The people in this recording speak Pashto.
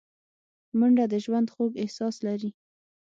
منډه د ژوند خوږ احساس لري